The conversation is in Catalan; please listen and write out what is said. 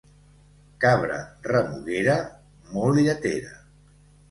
Cabra remuguera, molt lletera.